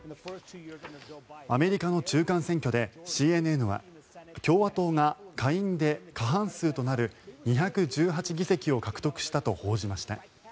アメリカの中間選挙でＣＮＮは共和党が下院で過半数となる２１８議席を獲得したと報じました。